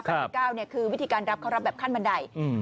แปดสิบเก้าเนี่ยคือวิธีการรับเขารับแบบขั้นบันไดอืม